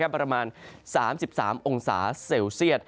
ประมาณ๓๓องศาเซลเซียต